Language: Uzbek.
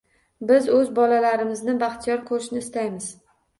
Biz o‘z bolalarimizni baxtiyor ko‘rishni istaymiz.